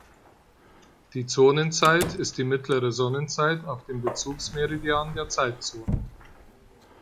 Die Zonenzeit ist die mittlere Sonnenzeit auf dem Bezugsmeridian der Zeitzone.